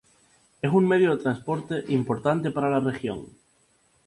Es un medio de transporte importante para la región.